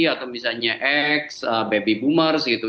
atau misalnya x baby boomers gitu